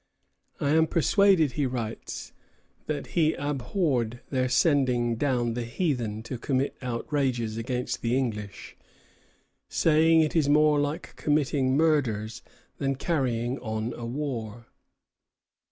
"I am persuaded," he writes, "that he abhorred their sending down the heathen to commit outrages against the English, saying it is more like committing murders than carrying on war."